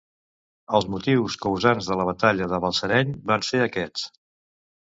Els motius causants de la batalla de Balsareny van ser aquests.